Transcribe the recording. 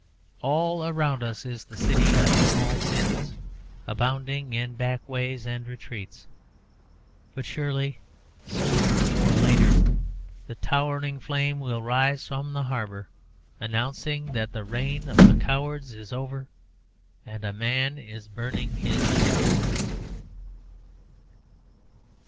All around us is the city of small sins, abounding in backways and retreats, but surely, sooner or later, the towering flame will rise from the harbour announcing that the reign of the cowards is over and a man is burning his ships.